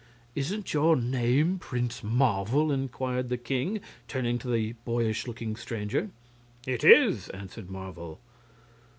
"Isn't your name Prince Marvel?" inquired the king, turning to the boyish looking stranger. "It is," answered Marvel.